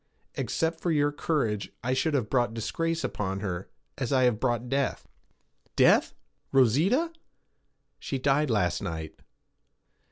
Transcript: Except for your courage I should have brought disgrace upon her, as I have brought death.' 'Death? Rosita?' 'She died last night.'